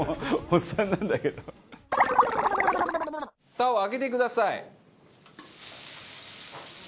ふたを開けてください。